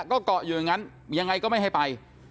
ก็เกาะอยู่อย่างนั้นยังไงก็ไม่ให้ไป